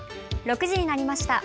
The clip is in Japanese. ６時になりました。